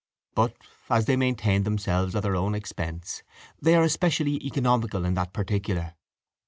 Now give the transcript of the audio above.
But, as they maintain themselves at their own expense, they are especially economical in that particular.